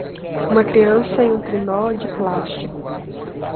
Uma criança em um trenó de plástico.